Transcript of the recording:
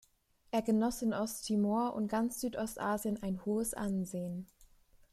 Er genoss in Osttimor und ganz Südostasien ein hohes Ansehen.